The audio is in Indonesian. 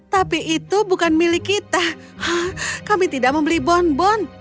tapi itu bukan milik kita kami tidak membeli bonbon